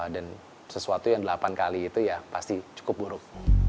dan sesuatu yang delapan kali itu ya pasti cukup buruk